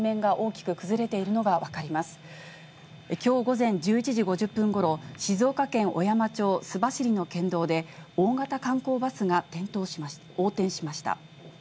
きょう午前１１時５０分ごろ、静岡県小山町須走の県道で、大型観光バスが横転しました。